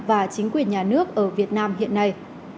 và chính quyền nhà nước ở việt nam hiện nay